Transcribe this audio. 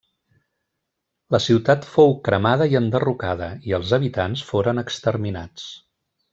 La ciutat fou cremada i enderrocada, i els habitants foren exterminats.